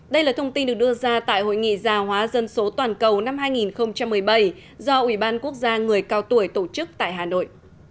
đây là thông tin được đưa ra tại hội nghị gia hóa dân số toàn cầu năm hai nghìn một mươi bảy do ủy ban quốc gia người cao tuổi tổ chức tại hà nội